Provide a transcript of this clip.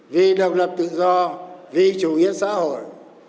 vì độc lập tự do vì chủ nghĩa xã hội